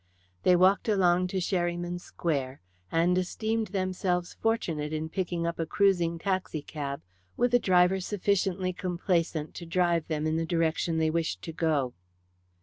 They walked along to Sherryman Square, and esteemed themselves fortunate in picking up a cruising taxi cab with a driver sufficiently complaisant to drive them in the direction they wished to go.